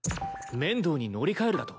面堂に乗り換えるだと？